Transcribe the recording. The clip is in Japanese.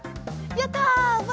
やった！